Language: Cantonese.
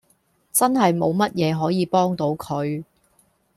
真係冇乜嘢可以幫到佢